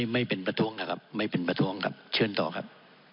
ไม่เป็นประท้วงนะครับไม่เป็นประท้วงครับเชิญต่อครับ